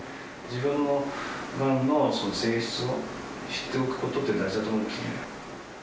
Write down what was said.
自分のがんの性質を知っておくことって大事だと思うんですね。